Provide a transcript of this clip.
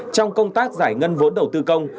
trong công tác giải ngân vốn đầu tư công